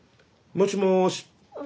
もしもし。